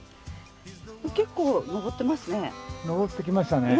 結構登ってますね。